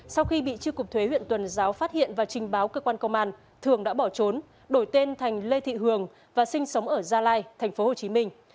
sau khi bị tri cục thuế huyện tuần giáo phát hiện và trình báo cơ quan công an thường đã bỏ trốn đổi tên thành lê thị hường và sinh sống ở gia lai thành phố hồ chí minh